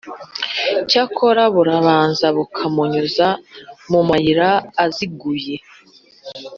cyakora burabanza bukamunyuza mu mayira aziguye,